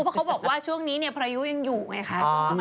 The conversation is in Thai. เพราะเขาบอกว่าช่วงนี้เนี่ยพายุยังอยู่ไงคะ